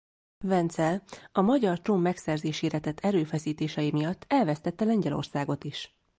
Vencel a magyar trón megszerzésére tett erőfeszítései miatt elvesztette Lengyelországot is.